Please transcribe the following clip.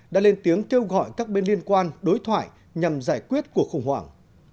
đã lên tiếng kêu gọi các bên liên quan đối thoại nhằm giải quyết cuộc khủng hoảng